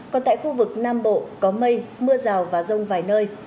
còn tại khu vực nam bộ có mây mưa rào và rông vài nơi